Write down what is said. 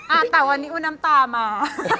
อ่ะแต่วันนี้คุณน้ำตามา